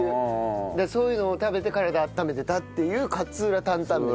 だからそういうのを食べて体温めてたっていう勝浦タンタンメン。